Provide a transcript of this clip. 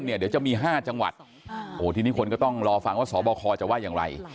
เดี๋ยวจะมี๕จังหวัดทีนี้คนก็ต้องรอฟังว่าสบคจะว่าอย่างไร